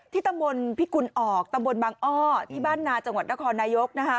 ตำบลพิกุลออกตำบลบางอ้อที่บ้านนาจังหวัดนครนายก